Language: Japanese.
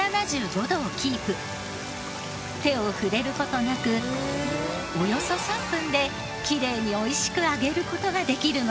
手を触れる事なくおよそ３分できれいに美味しく揚げる事ができるのです。